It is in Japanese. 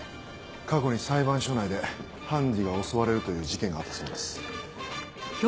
過去に裁判所内で判事が襲われるという事件があったそうです。